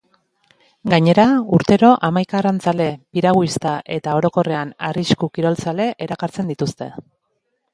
Gainera, urtero hamaika arrantzale, piraguista eta, orokorrean, arrisku-kirolzale erakartzen dituzte.